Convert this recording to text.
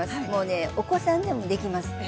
もうねお子さんでもできます。